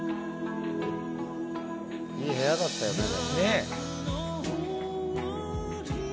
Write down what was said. いい部屋だったよね。